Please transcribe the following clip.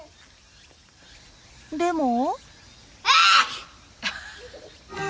でも。